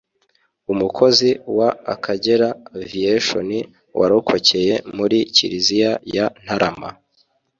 umukozi wa Akagera Aviation warokokeye muri Kiliziya ya Ntarama